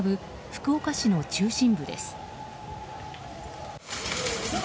福岡市の中心部です。